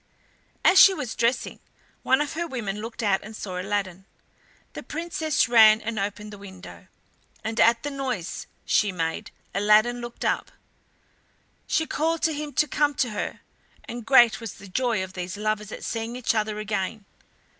As she was dressing, one of her women looked out and saw Aladdin. The Princess ran and opened the window, and at the noise she made, Aladdin looked up. She called to him to come to her, and great was the joy of these lovers at seeing each other again.